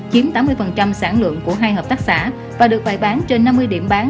chiếm tám mươi sản lượng của hai hợp tác xã và được bày bán trên năm mươi điểm bán